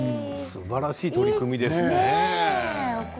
すばらしい取り組みですね。